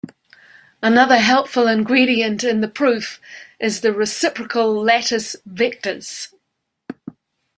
Another helpful ingredient in the proof is the "reciprocal lattice vectors".